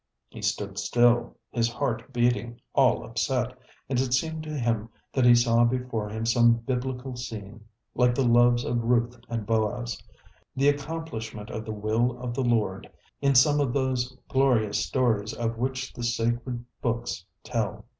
He stood still, his heart beating, all upset; and it seemed to him that he saw before him some biblical scene, like the loves of Ruth and Boaz, the accomplishment of the will of the Lord, in some of those glorious stories of which the sacred books tell.